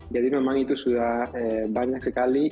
jadi memang itu sudah banyak sekali